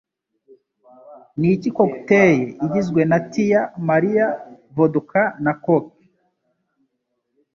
Niki cocktail igizwe na Tia Maria, Vodka na Coke?